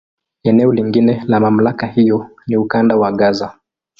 Eneo lingine la MamlakA hiyo ni Ukanda wa Gaza.